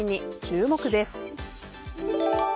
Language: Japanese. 注目です。